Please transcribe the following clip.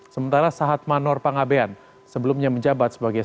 sementara sahat manor pangabean sebelumnya menjabat sebagai